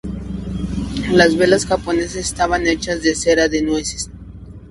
Las velas japonesas estaban hechas de cera de nueces.